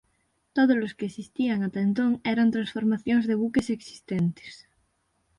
Tódolos que existían ata entón eran transformacións de buques existentes.